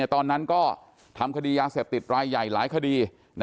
ตอนนั้นก็ทำคดียาเสพติดรายใหญ่หลายคดี